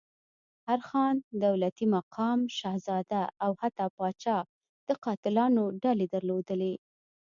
هر خان، دولتي مقام، شهزاده او حتی پاچا د قاتلانو ډلې درلودلې.